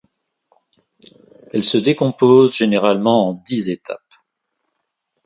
Elle se décompose généralement en dix étapes.